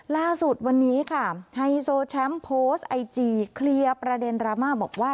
ล่าสุดวันนี้ค่ะไฮโซแชมป์โพสต์ไอจีเคลียร์ประเด็นดราม่าบอกว่า